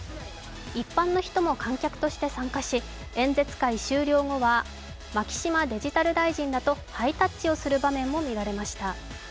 一般の人も観客として参加し、演説会終了後は牧島デジタル大臣らとハイタッチをする場面もみられました。